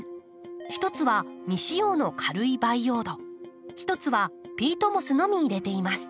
一つは未使用の軽い培養土一つはピートモスのみ入れています。